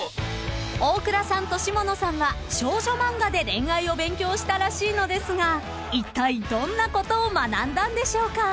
［大倉さんと下野さんは少女漫画で恋愛を勉強したらしいのですがいったいどんなことを学んだんでしょうか？］